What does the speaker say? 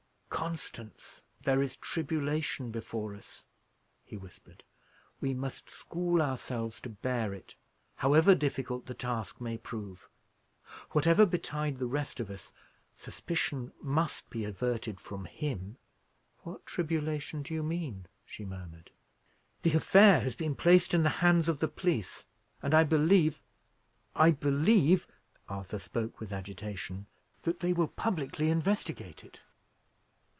"Constance, there is tribulation before us," he whispered. "We must school ourselves to bear it, however difficult the task may prove. Whatever betide the rest of us, suspicion must be averted from him." "What tribulation do you mean?" she murmured. "The affair has been placed in the hands of the police; and I believe I believe," Arthur spoke with agitation, "that they will publicly investigate it.